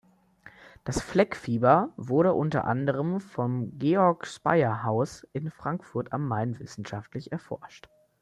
Das Fleckfieber wurde unter anderem vom Georg-Speyer-Haus in Frankfurt am Main wissenschaftlich erforscht.